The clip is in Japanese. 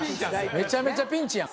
めちゃめちゃピンチやん。